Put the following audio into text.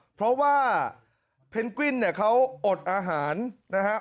เพราะว่าเพนกวิ้นเนี่ยเขาอดอาหารนะฮะ